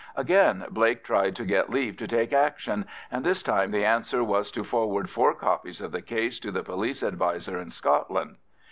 Again Blake tried to get leave to take action, and this time the answer was to forward four copies of the case to the police adviser in Scotland.